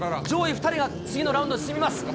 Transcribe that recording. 上位２人が次のラウンドに進みます。